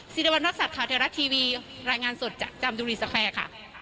ศิริวัณภาษาธารักษ์ทีวีรายงานสดจากจำดุรีแซคแฟร์ค่ะ